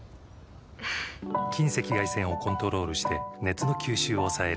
近赤外線をコントロールして熱の吸収を抑える。